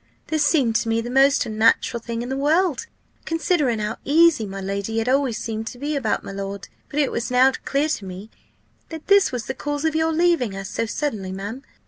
This seemed to me the most unnatural thing in the world, considering how easy my lady had always seemed to be about my lord; but it was now clear to me, that this was the cause of your leaving us so suddenly, ma'am.